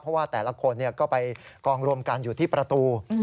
เพราะว่าแต่ละคนก็ไปกองรวมกันอยู่ที่ประตู